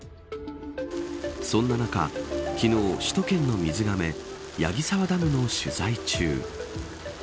そんな中昨日、首都圏の水がめ矢木沢ダムの取材中。